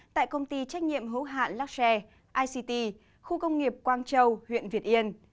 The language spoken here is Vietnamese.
tại công ty trách nhiệm hữu hạn lạc xe ict khu công nghiệp quang châu huyện việt yên